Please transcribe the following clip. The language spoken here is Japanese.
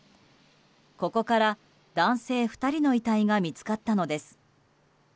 ここから男性２人の遺体が見つかったのです。